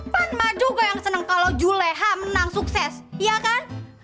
mbak juga yang senang kalau juleha menang sukses iya kan